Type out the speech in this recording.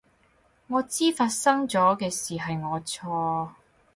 我知發生咗嘅事係我錯